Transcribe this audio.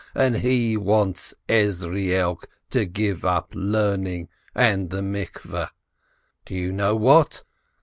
And he wants Ezrielk to give up learning and the bath ? Do you know what